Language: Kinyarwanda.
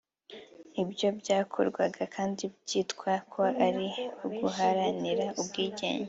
ibyo byakorwaga kandi byitwa ko ari uguharanira ubwigenge